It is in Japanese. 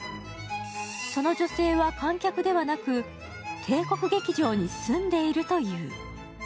その女性は観客ではなく、帝国劇場に住んでいるという。